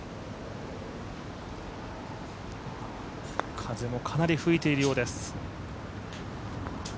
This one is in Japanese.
風もかなり吹いているようです。